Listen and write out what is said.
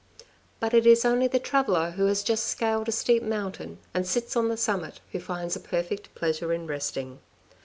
But it is only the traveller who has just scaled a steep mountain and sits down on the summit who finds a perfect pleasure in resting.